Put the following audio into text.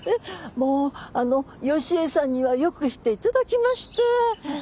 もうあのう良恵さんにはよくしていただきまして。